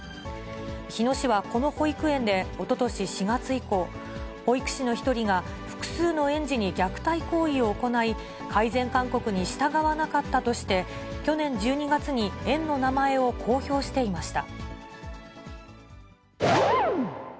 日野市はこの保育園でおととし４月以降、保育士の１人が複数の園児に虐待行為を行い、改善勧告に従わなかったとして、去年１２月に園の名前を公表していました。